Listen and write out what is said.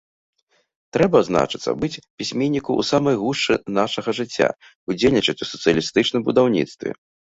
Трэба, значыцца, быць пісьменніку ў самай гушчы нашага жыцця, удзельнічаць у сацыялістычным будаўніцтве.